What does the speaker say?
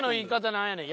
何やねん。